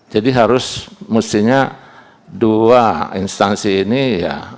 jadi harus mestinya dua instansi ini ya